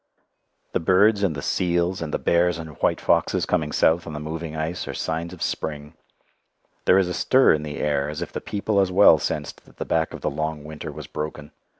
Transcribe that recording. The birds and the seals and the bears and white foxes coming south on the moving ice are signs of spring. There is a stir in the air as if the people as well sensed that the back of the long winter was broken.